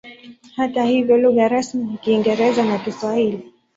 Hata hivyo lugha rasmi ni Kiingereza na Kiswahili.